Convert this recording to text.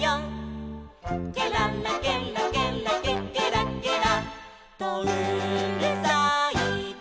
「ケララケラケラケケラケラとうるさいぞ」